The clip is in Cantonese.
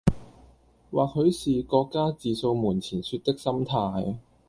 或許是各家自掃門前雪的心態